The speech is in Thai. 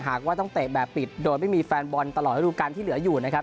หากว่าต้องเตะแบบปิดโดยไม่มีแฟนบอลตลอดระดูการที่เหลืออยู่นะครับ